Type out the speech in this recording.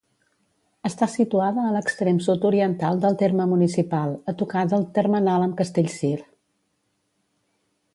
Està situada a l'extrem sud-oriental del terme municipal, a tocar del termenal amb Castellcir.